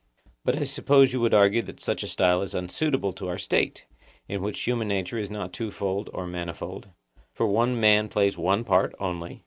But I suppose you would argue that such a style is unsuitable to our State, in which human nature is not twofold or manifold, for one man plays one part only?